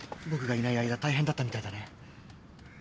僕がいない間大変だったみたいだね。